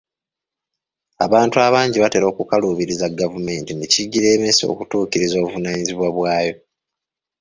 Abantu abangi batera okukaluubiriza gavumenti ne kigiremesa okutuukiriza obuvunaanyizibwa bwayo.